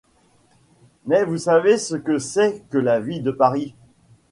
Mais vous savez ce que c’est que la vie de Paris.